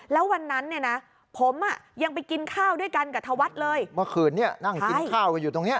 แล้ววันนั้นเนี่ยนะผมอ่ะยังไปกินข้าวด้วยกันกับธวัฒน์เลยเมื่อคืนนี้นั่งกินข้าวกันอยู่ตรงเนี้ย